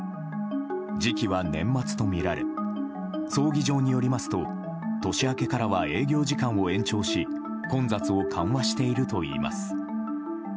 時期は年末とみられ葬儀場によりますと年明けからは営業時間を延長し混雑を緩和しているといいます。